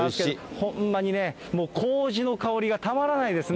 ほんまにね、こうじの香りがたまらないですね。